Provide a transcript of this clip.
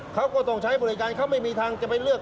เขาก็ต้องใช้บริการเขาไม่มีทางจะไปเลือก